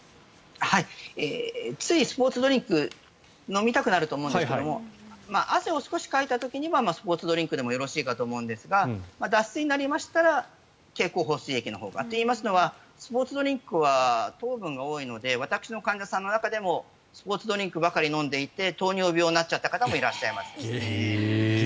ついスポーツドリンク飲みたくなると思うんですが汗を少しかいた時にはスポーツドリンクでもよろしいかと思うんですが脱水になりましたら経口補水液のほうが。といいますのはスポーツドリンクは糖分が多いので私の患者さんの中でもスポーツドリンクばかり飲んでいて糖尿病になっちゃった方もいらっしゃいます。